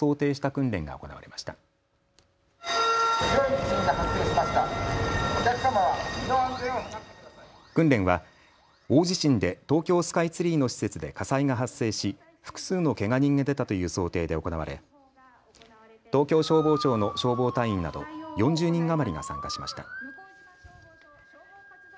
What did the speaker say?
訓練は大地震で東京スカイツリーの施設で火災が発生し複数のけが人が出たという想定で行われ東京消防庁の消防隊員など４０人余りが参加しました。